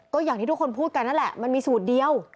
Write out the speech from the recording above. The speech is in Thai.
ก็อย่างที่ทุกคนพูดกันนั่นแหละมันมีสูตรเดียว